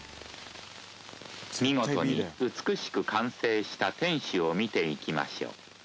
見事に美しく完成した天守を見ていきましょう。